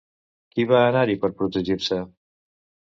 Qui va anar-hi per protegir-se?